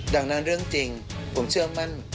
ดังนั้นเรื่องจริงผมเชื่อมั่น